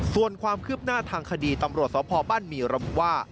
ส่วนความคืบหน้าทางคดีตำรวจสพบ้านหมี่ระบุว่า